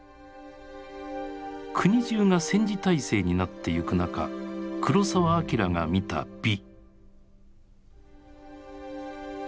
国中が戦時体制になっていく中黒澤明が見た美。